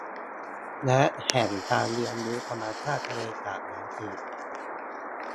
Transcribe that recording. และแหล่งการเรียนรู้ธรรมชาติทะเลสาปน้ำจืด